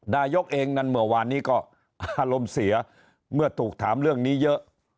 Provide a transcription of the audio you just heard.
นายกเองนั้นเมื่อวานนี้ก็อารมณ์เสียเมื่อถูกถามเรื่องนี้เยอะ